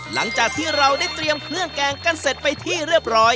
หลังจากที่เราได้เตรียมเครื่องแกงกันเสร็จไปที่เรียบร้อย